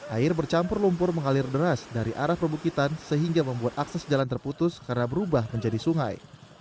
air bercampur lumpur mengalir deras dari arah perbukitan sehingga membuat akses jalan terputus karena berubah menjadi sungai